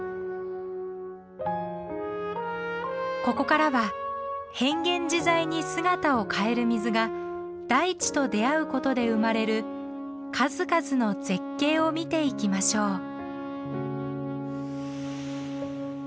ここからは変幻自在に姿を変える水が大地と出会うことで生まれる数々の絶景を見ていきましょう。